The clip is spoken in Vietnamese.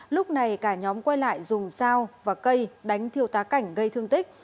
lúc này cả nhóm quay lại dùng dao và cây đánh thiêu tá cảnh gây thương tích